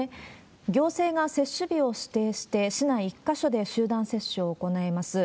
行政が接種日を指定して、市内１か所で集団接種を行います。